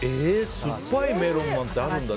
酸っぱいメロンなんてあるんだ。